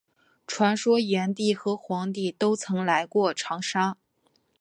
传说炎帝和黄帝都曾来过长沙。